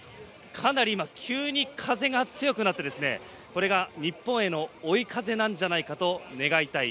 かなり急に風が強くなってこれが、日本への追い風なんじゃないかと願いたい